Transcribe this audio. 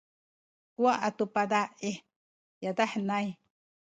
kuwa’ atu paza’ i yadah henay